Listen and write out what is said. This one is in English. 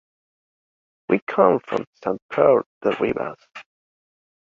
We come from Sant Pere de Ribes.